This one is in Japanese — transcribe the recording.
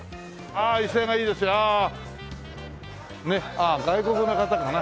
ああ外国の方かな。